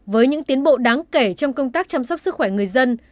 với những tiến bộ đáng kể trong công tác chăm sóc sức khỏe người dân